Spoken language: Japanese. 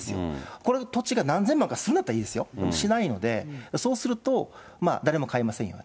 これで、土地が何千万かするんだったらいいんですよ、しないので、そうすると、誰も買いませんよと。